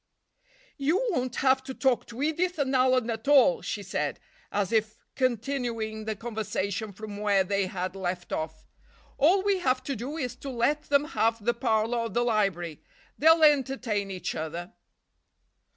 "You won't have to talk to Edith and Alan at all," she said as if continuing the conversation from where they had left off. "All we have to do is to let them have the parlor or the library. They'll entertain each other."